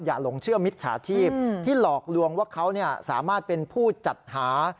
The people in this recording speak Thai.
หลงเชื่อมิจฉาชีพที่หลอกลวงว่าเขาสามารถเป็นผู้จัดหา